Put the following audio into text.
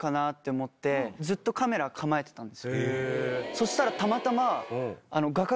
そしたらたまたま。